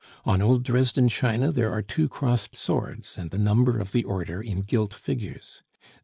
On old Dresden china there are two crossed swords and the number of the order in gilt figures.